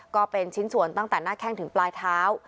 ก็เป็นชิ้นส่วนตั้งแต่หน้าแข้งถึงปลายเท้า